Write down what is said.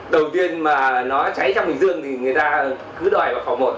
đầu tiên mà nó cháy trong hình dương thì người ta cứ đòi vào phòng một chứ mà sâu quá người ta không báo nên là